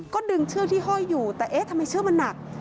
ก็ดึงเชือกที่ห้อยอยู่แต่เอ๊ะทำไมเชือกมันหนัก